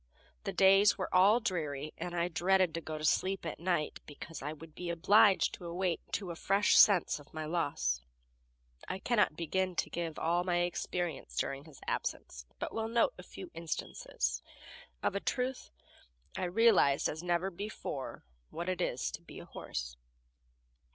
The days were all dreary, and I dreaded to go to sleep at night, because I would be obliged to awake to a fresh sense of my loss. I cannot begin to give all my experience during his absence, but will note a few instances. Of a truth, I realized as never before what it is to be a horse.